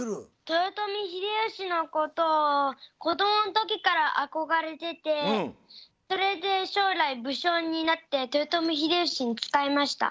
豊臣秀吉のことをこどものときからあこがれててそれでしょうらい武将になって豊臣秀吉に仕えました。